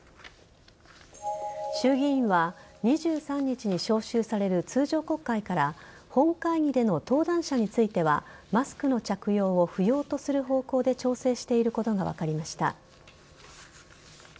衆議院は２３日に召集される通常国会から本会議での登壇者についてはマスクの着用を不要とする方向で調整していることが分かりました。